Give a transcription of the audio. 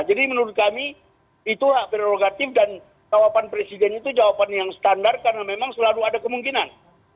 jadi menurut kami itu hak prerogatif dan jawaban presiden itu jawaban yang standar karena memang selalu ada kemungkinan